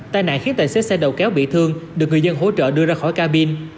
tai nạn khiến tài xế xe đầu kéo bị thương được người dân hỗ trợ đưa ra khỏi cabin